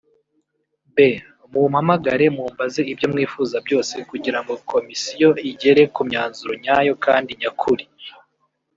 b) Mumpamagare mumbaze ibyo mwifuza byose kugirango komisiyo igere ku myanzuro nyayo kandi nyakuri